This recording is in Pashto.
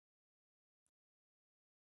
تر دوو کلونو ماشومانو ته یوازې مور شیدې ورکړئ.